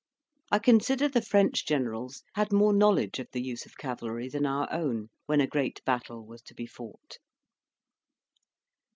I consider the French generals had more knowledge of the use of cavalry than our own, when a great battle was to be fought.